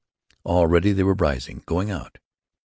Already they were rising, going out.